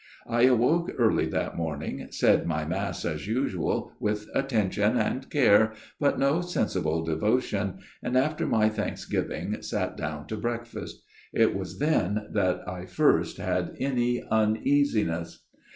" I awoke early that morning, said my Mass as usual, with attention and care, but no sensible devotion, and after my thanksgiving sat down to breakfast. It was then that I first had any uneasiness.